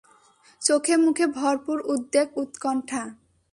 চোখে-মুখে ভরপুর উদ্বেগ-উৎকণ্ঠা।